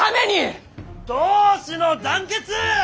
同志の団結！